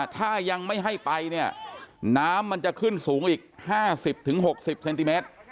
ถ้ายังไม่ให้ไปเนี่ยน้ำมันจะขึ้นสูงอีก๕๐๖๐เซนติเมตร